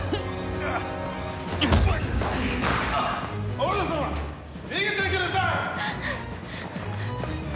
お嬢様逃げてください！